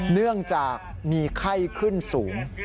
เนื่องจากมีไข้ขึ้นสูง